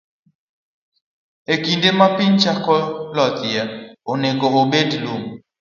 E kinde ma piny chako lothie, onego obet lum.